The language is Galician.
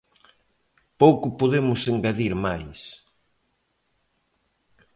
Pouco podemos engadir máis.